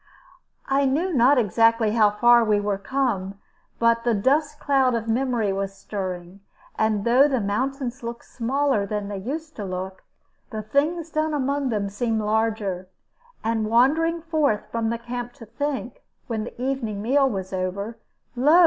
I knew not exactly how far we were come, but the dust cloud of memory was stirring, and though mountains looked smaller than they used to look, the things done among them seemed larger. And wandering forth from the camp to think, when the evening meal was over, lo!